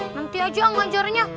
nanti aja aku ngajarnya